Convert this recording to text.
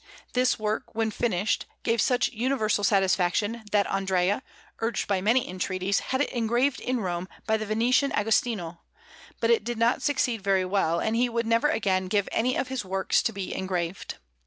This work, when finished, gave such universal satisfaction, that Andrea, urged by many entreaties, had it engraved in Rome by the Venetian Agostino; but it did not succeed very well, and he would never again give any of his works to be engraved.